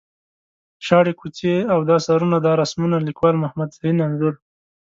شاړې کوڅې او دا سرونه دا رسمونه ـ لیکوال محمد زرین انځور.